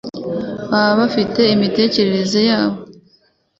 baba bafite imitekerereze yabo